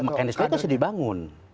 mekanisme itu sudah dibangun